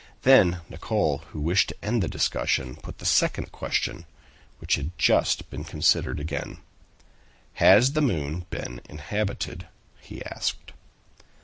Then Nicholl, who wished to end the discussion, put the second question, which had just been considered again. "Has the moon been inhabited?" he asked.